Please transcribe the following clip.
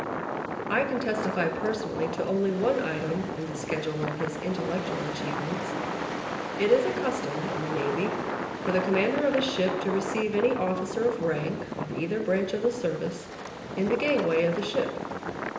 I can testify personally to only one item in the schedule of his intellectual achievements. It is a custom in the navy for the commander of a ship to receive any officer of rank of either branch of the service at the gangway of the ship.